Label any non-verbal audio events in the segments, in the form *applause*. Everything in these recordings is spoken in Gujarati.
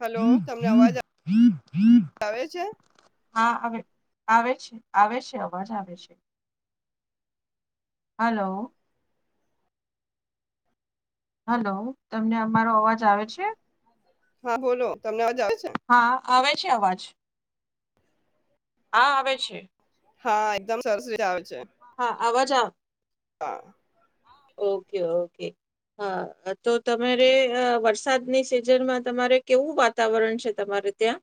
હલો તમને અવાજ આવે છે. આવે છે. અવાજ આવે છે. હલો હલો તમને અમારો અવાજ આવે છે હા બોલો તમને આજ આવ હા આવે છે અવાજ હા આવે છે હા એકદમ સરસ રીતે આવે છે હા અવાજ આવ હા ઓકે ઓકે હા તો તમારે વરસાદની સિઝનમાં તમારે કેવું વાતાવરણ છે તમારે ત્યાં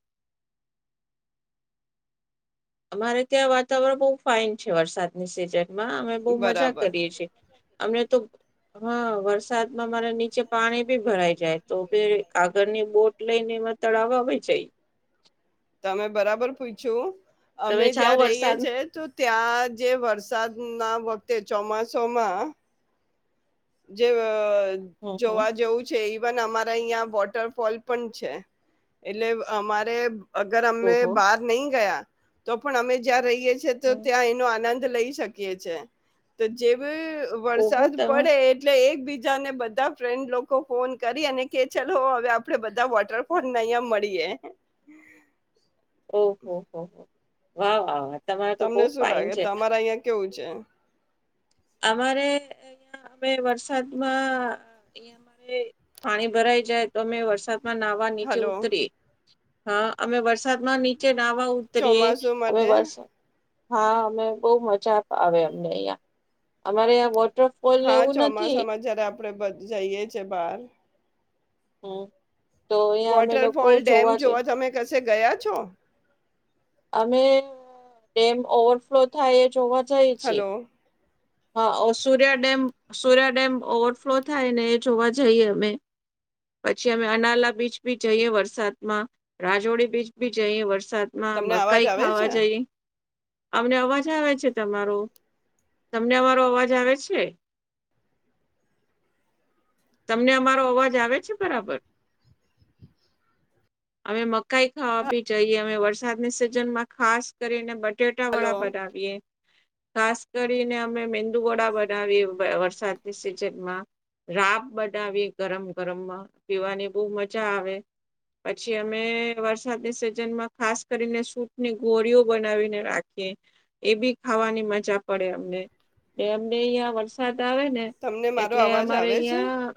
અમારે ત્યાં વાતાવરણ બહુ ફાઇન છે વરસાદની સિઝન અમે બહુ મજા કરીએ છીએ અમને તો હા વરસાદમાં મારે નીચે પાણી બી ભરાઈ જાય તો ભી કાગળ ની બોટ લઈને મ તડાવવા વય જય તમે બરાબર પૂછો અમે જ્યાં રહીએ છે તો ત્યાં જે વરસાદ ના વખતે ચોમાસોમાં જે જોવા જેવું છે એ ઇવન અમારા અહં વોટરફોલ પણ છે એટલે અમારે અગર અમે બહાર નહી ગયા તો પણ અમે જ્યાં રહી એ છે તો ત્યાં એનો આનંદ લઈ શકીએ છે તો જેવુ વરસાદ પડે એકબીજાને બધા ફ્રેન્ડ લોકો ફોન કરી અને કે ચલો હવે આપડે બધા વોટરફોલને અહીંયા મળીએ. ઓહો હો હો, વાહ વાહ વા. તમને શું લાગે તમારે અહીંયા કેવું? ચેમ. અમારે *inaudible* અમે વરસાદમાં *inaudible* પાણી ભરાઈ જાય તો અમે વરસાદ માં નાવા નીચે ઉતરી હા અમે વરસાદમાં નીચે જે નાવા ઉતરીએ અમે બશો હા અમે બહુ મજા આવે અમને અહિયાં. અમારે અહીંયા બહ *unintelligible* એવું નથી. આપડે બધે જઈએ છેએ બાર હમ. વોટરફોલ ડેમ જોવા તમે કશો. કસે ગયા છો. અમે ડેમ ઓવરફ્લો થાય એ જોવા. જય છે. હા Surya dam Surya dam overflow થાય ને એ જોવા જઈએ અમે પછી અમે અનાલા બીચ બી જઈએ વરસાદમાં રાજોડી બીચ બી જઈએ વરસાદ. વરસાદ માં મકાઈ ખાવા જઈ. અમને અવાજ આવે છે તમારો. તમને અમારો અવાજ આવે છે તમને અમારો અવાજ આવે છે બરાબર અમે મકાઈ ખાવા બી જઈએ અ વરસાદની સિઝનમાં ખાસ કરીને બ ડેટા વાળા બનાવીએ. ખાસ કર. ને. અમે મેંદુવડા બનાવી વરસાદ. સિઝનમાં રાપ બનાવી ગરમ ગરમમાં પીવાની બહું મજા આવે પછી અમે વરસાદની સિઝનમાં ખાસ કરીને સૂટ ની ગોળીઓ બનાવીને રાખીએ એ બી ખાવાની મજા. પડે અમને એ અમને અહિયાં વરસાદ. ને આવે ને એટલે અમારે અહિયાં.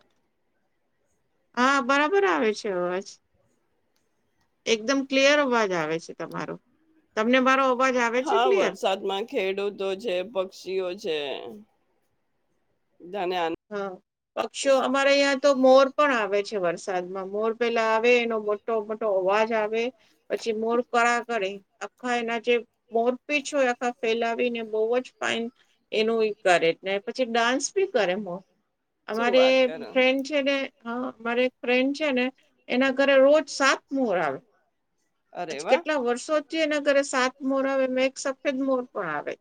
હા બરાબર આવે છે અવાજ એકદમ ક્લિયર અવાજ આવે છે તમારો તમને મારો. હા વરસાદમાં ખેડૂતો છે પક્ષીઓ છે. હા, પક્ષી અમારે અહીંયા તો મોર પણ આવે છે, વરસાદમાં મોર પેલા આવે એનો મોટો મોટો અવાજ આવે પછી મોર કડા કરે આખા એના જે મોરપીંછ હોય આખા ફેલાવીને બહુજ ફાઇન એનું કરે ને પછી ડાન્સ ભી કરે મોર અમારે ફ્રેન્ડ છે ને હ અરે ફ્રેન્ડ છે ને એના ઘરે રોજ સાત, મોર આવે આજ કેટલા વર્ષોથી એના ઘરે સાત, મોર આવે એક સફેદ મોર પણ આવે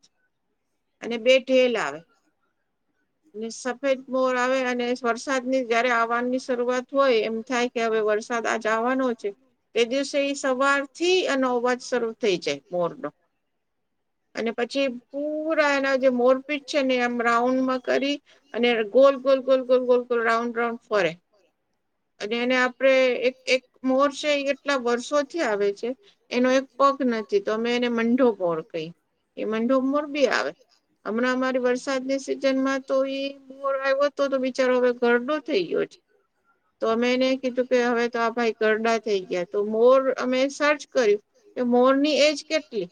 છે અને બે ઠેલ આવે ને સ મોર આવે અને વરસાદની જયારે આવવારની શરૂઆત હોય એમ થાય કે હવે વરસાદ આજ આવવાનો છે એ દિવસે એ સવાર થી અને અવાજ શરૂ થઈ જાય મોરનો અને પછી પૂરા એના જે મોરપીટ છે ને એમ રાઉન્ડમાં કરી અને ગોલ, ગોલ, ગોલ, ગોલ, ગોલ રાઉન્ડ રાઉન્ડ ફરે અને એને આપડે એક એક મોર છે એ એટલા વર્ષોથી આવે છે એનો એક પગ નથી તો અમે એને મંઢો મોર કહી એ મંઢો મોર બી આવે હમણાં અમારી વરસાદની સિઝનમાં તો મોર આવ્યો હતો તો બિચારો હવે કરણો થયો છે. તો અમે એને કીધું કે હવે તો આ ભાઈ ગરડા થઈ ગયા તો મોર અમે સર્ચ કર્યું કે મોરની એજ કેટલી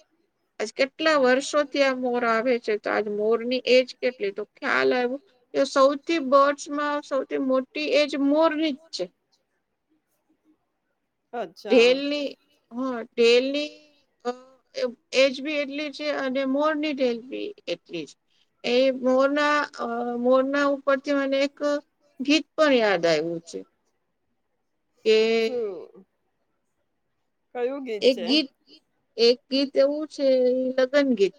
આજ કેટલા વર્ષોથી આ મોર આવે છે તો આજ મોરની એજ કેટલી તો ખ્યાલ આવ્યો કે સૌથી બર્ડસમા સૌથી મોટી એજ મો ની જ છે. *inaudible* ઢેલની હા ઢેલની *inaudible* એજ બી એટલી છે અને મોરની ઢેલ બી એટલી જ છે. એ મોરના મોરના ઉપરથી મને એક ગીત પણ યાદ આવ્યું છે. *unintelligible* એક ગીત એક ગીત એવું છે એ લગ્ન ગીત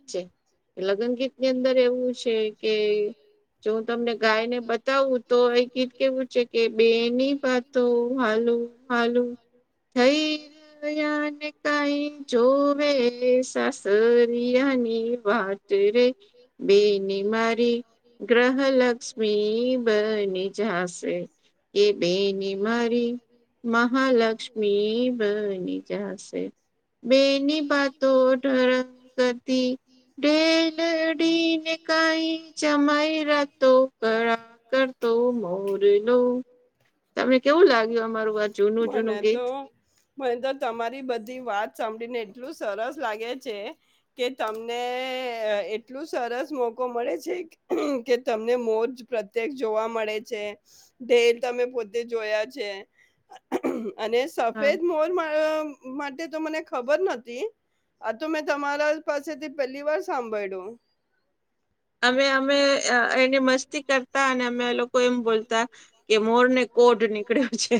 છે લાગ્ન ગીત ની અંદર એવું છે કે જો હ તમને ગાયને બતાવું તો એ ગીત કેવું છે કે બે ની વાતો હાલું હાલું થઈ રહયા કે કઈ જોવેરે સાસરિયાની વાટ રે બેની મારી ગ્રહલક્ષ્મી બની જાશે કે બેની મારી મહાલક્ષ્મી બની જાશે બે ની પા તો ઢરંગતી ઢેલ લડીને કઈ જમાય રાતો કા કરતો મોરલો. તમને કેવું લાગ્યું અમારું આ જૂનું જૂનું ગીત? મે તો તમારી બધી વાત સાંભળીને એટલું સરસ લાગે છે કે તમને એટલું સરસ મોકો મળે છે કે તમને મોર પ્રત્યક્ષ જોવા મળે છે, ઢેલ તમે પોતે જોયા છે. અને સફેદ મોર *unintelligible* માં પેલા તો મને ખબર નહોતી, આ તો મે તમારા પાસેથી પેલી વાર સાંભયળું. અવે અમે એને મસ્તી કરતા કરતા અને અમે એ લોકો એમ બોલતા કે મોર ને કોડ નીકળ્યો છે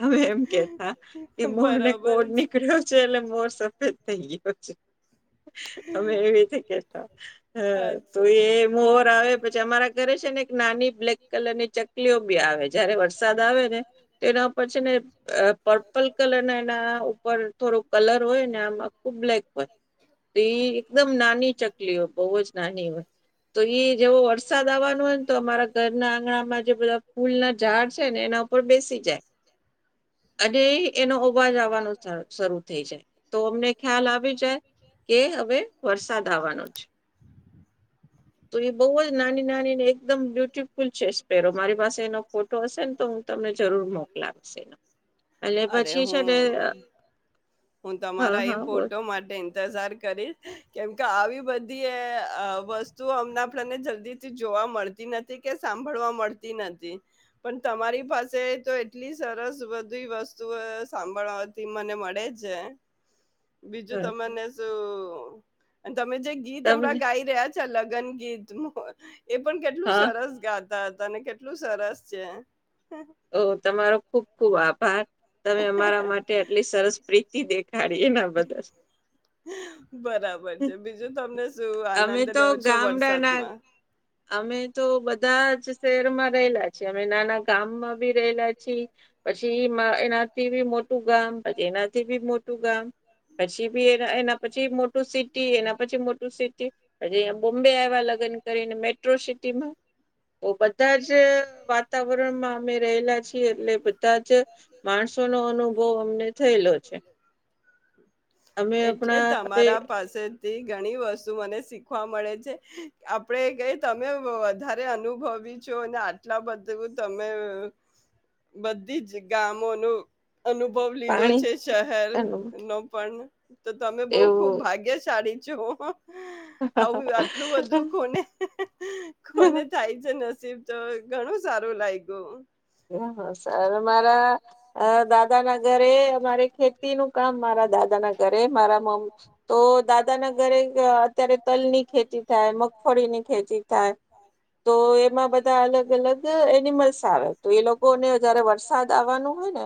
હમે એમ કેતા કે મોર ને કોડ નીકળ્યો છે એટલે મોર સફેદ થઈ ગયા. પછી અમે એવી રીતે કહેતા. તો એ મોર આવે પછી અમારા ઘરે છે ને એક ના નાની બ્લેક કલર ની ચકલીઓ બી આવે જયારે વરસાદ આવે ને તો એના ઉપર છે ને પર્પલ કલર ના એના ઉપર થોડો કલર હોય ને આમાં ખુબ બ્લેક હોય તો ઈ એકદમ નાની ચકલીઓ બો જ નાની હોય તો જેવો વરસાદ આવાનો હોયને તો અમારા ઘરના આંગણામાં જે બધા ફૂલના ઝાડ છે, ને એના ઉપર બેસી જાય અને એનો અવાજ આવવાનો ચા શરૂ થઈ જાય તો અમને ખ્યાલ આવી જાય કે હવે વરસાદ આવવાનો જ તો એ બહુ જ નાની નાની ને *inaudible* અરે હું હું તમારા એ ફોટો માટે ઇંતજાર કરીશ કેમકે આવી બધીએ વસ્તુ અમને આપણને જલ્દીથી જોવા મળતી નથી. કે સાંભળવા મળતી નથી પણ તમારી પાસે તો એટલી સરસ બધી વસ્તુ સાંભળવાથી મને મળે છે. બીજું તમને શું તમે જે ગીત હમણાં ગાઈ રહ્યા લગન ગીત એ પણ સરસ ગા *unintelligible* અને કેટલું સરસ છે. ઓ તમારો ખુબ ખુબ આભાર તમે અમારા માટે આટલી સરસ પ્રીતિ દેખા બરાબર છે, બીજું તમને શું આનંદ લો છો વરસાદમાં અમે તો બધા જ શહેરમાં રહેલા છીએ અમે નાના ગામમાં બી રહેલા છીએ પછી એનાથી બી મોટું ગામ પછી એનાથી બી મોટું ગામ પછી બી એ એના પછી મોટું સિટી એના પછી મોટું સિટી પછી બોમ્બે આવ્યા લગ્ન કરીને મેટ્રોસિટીમાં બધા જ વાતાવરણમાં અમે રહેલા છીએ એટલે બધા જ માણસોનો અનુભવ અમને થયેલો છે, અમે આપણા તે ઘણી વસ્તુ મને શીખવા મળે છે. આપણેે કઈ તમે વધારે અનુભવી છો અને આટલા બધું તમે બધી જ ગામોનું અનુભવ લીધો છે, શહેર નો પણ તો તમે બહુ ખુબ ભાગ્યશાળી છો *inaudible* કોને કોને થાય છે, ન *unintelligible* ઘણું સારું લાગ્યું સર મારા અ દાત દાદાના ઘરેના મારે ખેતી નું કામ મારા દાદા ના ઘરે મારા મમ્મ તો દાદા ના ઘરે અત્યારે તલની ખેતી થાય મગફળીની ખેતી થાય તો એમાં બધા અલગ અલગ એનિમલ્સ આવે તો એ લોકો ને જયારે વરસાદ આવવાનું હોય ને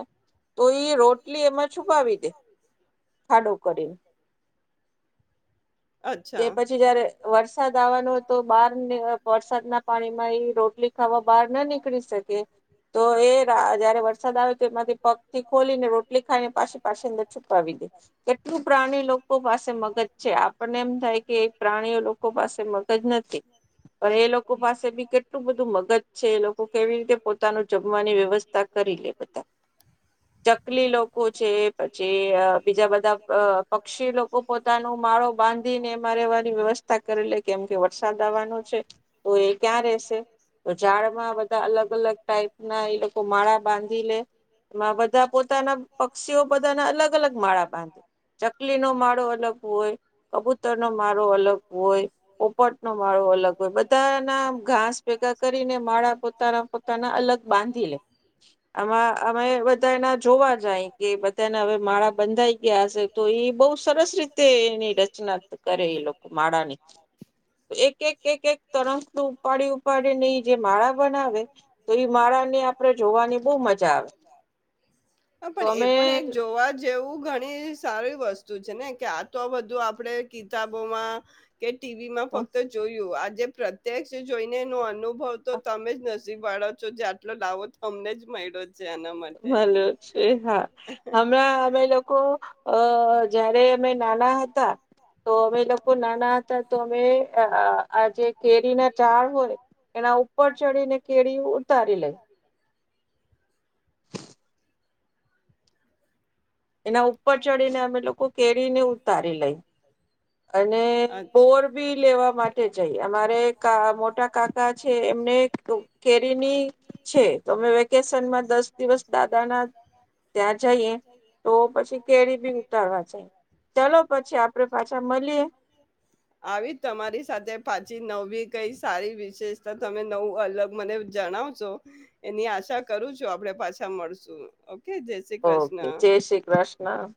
તો ઈ રોટલી એમાં છુપાવી દે ખાડો કરીને તે પછી જયારે વરસાદ આવવાનો હોય તો બહાર *unintelligible* વરસાદના પાણીમાં એ રોટલી ખાવા બહાર ન નીકળી શકે તો એ જયારે વરસાદ આવે તો એમાંથી પગથી ખોલીને રોટલી ખાઈને પાસે પાસે અંદર છુપાવી દે કેટલું પ્રાણી લોકો પાસે મગજ છે, આપને એમ થાય કે પ્રાણીઓ લોકો પાસે મગજ નથી પણ એ લોકો પાસે બી કેટલું બધું મગજ છે, એ લોકો કેવી રીતે પોતાનું જમવાની વ્યવસ્થા કરી લે બધા ચકલી લોકો છે, પછી બીજા બધા અ પક્ષી લોકો પોતાનો માળો બાંધ તેને એમાં રહવાની વ્યવસ્થા કરી લે કેમ કે વરસાદ આવવાનો છે, તો એ ક્યાં રશે તો ઝાડમાં બધા અલગ અલગ ટાઈપના એ લોકો માળા બાંધી લે એમાં બ બધા પોતાના પક્ષીઓ બધાના અલગ અલગ માળા બાંધે ચકલીનો માળો અલગ હોય કબૂતર નો માળો અલગ હોય, પોપટ નો માળો અલગ હોય બધાના ઘાસ ભેગા કરીને માળા પોતાના પોતાના અલગ બાંધી લે આમાં અમે બધા એના જોવા જાય કે બધાને હવે માળા બંધાઈ ગયા હશે. તો એ બહ સરસ રીતે એની રચ રચના કરે એ લોકો માળા ની એક એક એક એક તરંગું ઉપાડી ઉપાડીને જે માળા બનાવે તો એ માળાને આપણેે જોવાની બવ મજા આવે. હા પણ એ પણ એક જોવા જ જેવું ઘણી સારી વસ્તુ છે ને કે આ તો બધું આપડે કિતાબોમાં કે ટીવી માં ફક્ત જોયું જે પ્રત્યક્ષ જોઈને એનો અનુભવ તો તમે જ નસીવાડો છો જે આટલો દાવો તમને જ મળ્યો છે એના માટે. ભલ છે હા હમણાં અમે લોકો અ જયારે અમે નાના હતા તો અમે લોકોખ નાના હતા તો અમે આજે કેરી ના ચાળ હોય એના ઉપર ચડીને કેરી ઉતારી લે એના ઉપર ચડીને અમે લોકો કેરીને ઉતારી લઈ અને બોર બી લેવા માટે જઈ અમારે ક મોટા કાકા છે એમને કેરીની છે તો અમે વેકેશનમાં દસ દિવસ દાદાના ત્યાં જઈએ તો પછી ઉતારવા જાય ચાલ પછી આપડે પાછ આવી જ તમારી સાથે પાછી નવી કઈ સારી વિશેષતા તમે નવું અલગ મને જણાવશો એની આશા કરું છું આપે પાછા મળશું ઓકે જય શ્રી કૃષ્ણ.